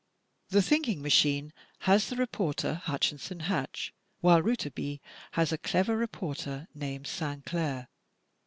"The Thinking Machine" has the reporter "Hutchinson Hatch," while " Rouletabille " has a clever reporter named "Sainclair.